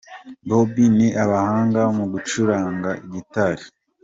Bombi, ni abahanga mu gucuranga gitari.